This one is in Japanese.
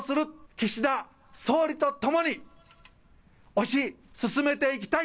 岸田総理とともに推し進めていきたい。